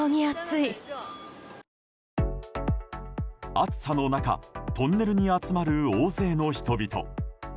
暑さの中トンネルに集まる大勢の人々。